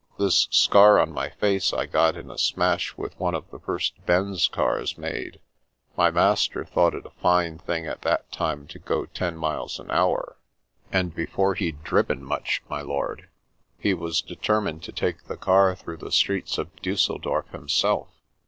This scar on my face I got in a smash with one of the first Benz cars made. My master thought it a fine thing at that time to go ten miles an lour, and before he'd driven much, my 46 The Princess Passes lord, he was determined to take the car through the streets of Diisseldorf himself.